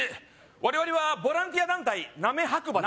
我々はボランティア団体なめ白馬です